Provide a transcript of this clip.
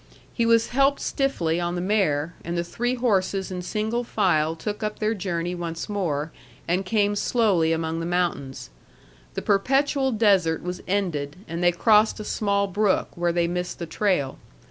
He was helped stiffly on the mare, and the three horses in single file took up their journey once more, and came slowly among the mountains. The perpetual desert was ended, and they crossed a small brook, where they missed the trail.